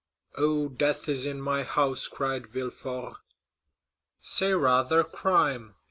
"Oh, death is in my house!" cried Villefort. "Say, rather, crime!"